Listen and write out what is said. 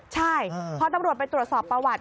ใช่พอตำรวจไปตรวจสอบประวัติ